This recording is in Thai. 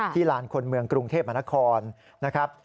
ที่ลานคนเมืองกรุงเทพมนาคอนนะครับ